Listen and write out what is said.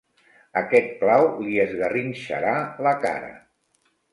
Aquest clau li esgarrinxarà la cara.